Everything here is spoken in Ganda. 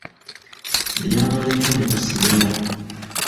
Lyabaleka ne basigala.